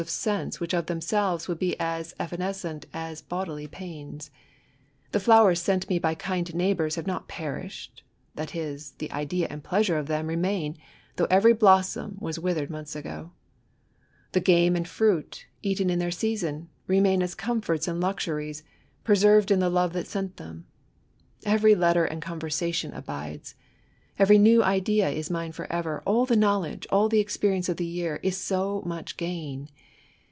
oi sense which of themselves would be as evanes* cent as bodily pains. The flowers sent to me by kind neighbours have not perished, — ^that is, the idea and pleasure of them remain, though every blossom was withered months aga The game lEuid fruit, eaten in their season, remain as comforts and luxtiries, preserved in the love that sent them* Every letter and conversktion abides, — every new idea is mine for ever ; all the knowledge, all the experience of the year, is so much gain.